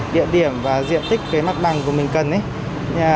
địa điểm và diện tích cái mặt bằng của mình cần